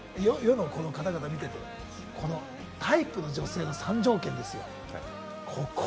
色んな方々が見ていて、タイプの女性の３条件ですよ、ここ。